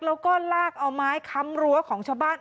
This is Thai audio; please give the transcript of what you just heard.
แล้วก็ลากเอาไม้ค้ำรั้วของชาวบ้าน